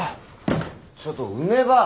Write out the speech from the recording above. ちょっと梅ばあ！